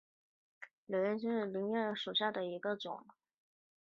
柳叶鳞花草为爵床科鳞花草属下的一个种。